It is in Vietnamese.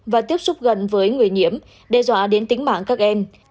và tiếp xúc gần với người nhiễm đe dọa đến tính mạng các em